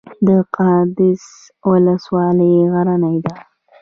د قادس ولسوالۍ غرنۍ ده